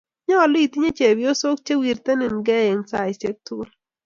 nyalun itinye chepyosok che wirtenin gei eng saishek tugul